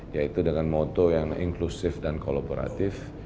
yaitu dengan moto yang inklusif dan kolaboratif